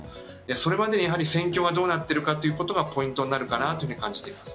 それまでに戦況がどうなっているかということがポイントになるかと思います。